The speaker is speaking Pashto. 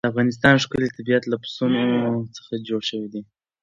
د افغانستان ښکلی طبیعت له پسونو څخه جوړ شوی دی.